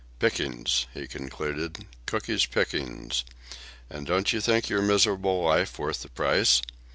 "Pickings," he concluded; "Cooky's pickings. And don't you think your miserable life worth the price?